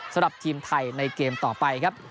สำหรับทีมไทยในเกมต่อไปครับ